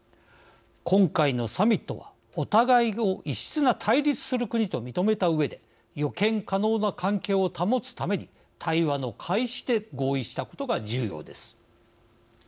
今回のサミットはお互いを異質な対立する国と認めたうえで予見可能な関係を保つために対話の開始で合意したことが重要です。